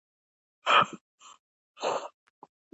جانداد د عزیزانو لپاره برکت دی.